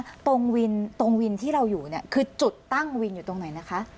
ตรงวินตรงวินที่เราอยู่เนี่ยคือจุดตั้งวินอยู่ตรงไหนนะคะ